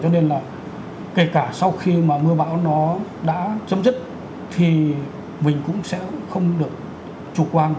cho nên là kể cả sau khi mà mưa bão nó đã chấm dứt thì mình cũng sẽ không được chủ quan